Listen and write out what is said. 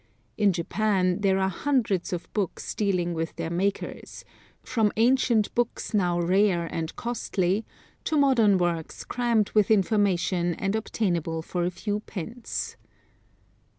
In Japan, there are hundreds of books dealing with their makers, from ancient books now rare and costly to modern works crammed with information and obtainable for a few pence.